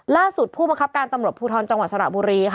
ผู้บังคับการตำรวจภูทรจังหวัดสระบุรี